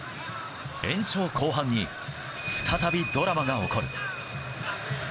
延長後半に再びドラマが起こる。